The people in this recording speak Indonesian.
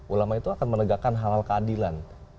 ulama itu akan menegakkan halal keadilan